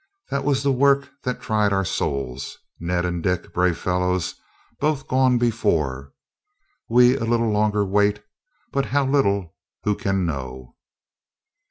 That was the work that tried our souls. Ned and Dick, brave fellows, both gone before. "We a little longer wait, but how little who can know!"